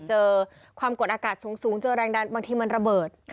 เจอความกดอากาศสูงเจอแรงดันบางทีมันระเบิด